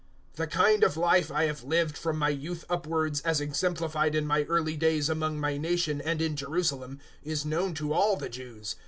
026:004 "The kind of life I have lived from my youth upwards, as exemplified in my early days among my nation and in Jerusalem, is known to all the Jews.